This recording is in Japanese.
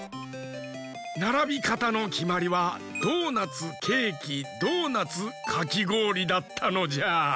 ならびかたのきまりはドーナツケーキドーナツかきごおりだったのじゃ。